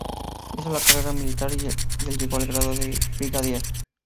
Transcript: Hizo la carrera militar y llegó al grado de brigadier.